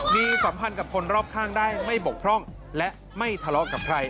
มีสัมพันธ์กับคนรอบข้างได้ไม่บกพร่องและไม่ทะเลาะกับใคร